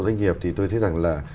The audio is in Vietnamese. độ doanh nghiệp thì tôi thấy rằng là